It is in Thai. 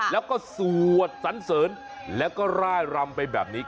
แล้วก็สวดสันเสริญแล้วก็ร่ายรำไปแบบนี้